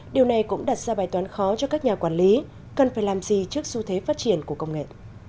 điều này cũng đặt ra bài toán khó cho các nhà quản lý cần phải làm gì trước xu thế phát triển của công nghệ